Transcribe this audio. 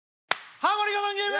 ハモリ我慢ゲーム！